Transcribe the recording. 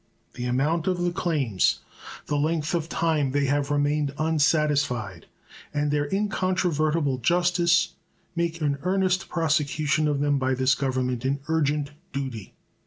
The amount of the claims, the length of time they have remained unsatisfied, and their incontrovertible justice make an earnest prosecution of them by this Government an urgent duty.